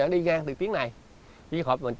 đi ngược ngược vào nó